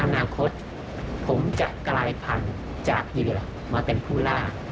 อนาคตผมจะกลายพันธุ์จากเหยื่อมาเป็นผู้ล่า